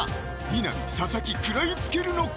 南・佐々木食らいつけるのか？